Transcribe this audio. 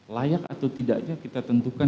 layak atau tidaknya kita tentukan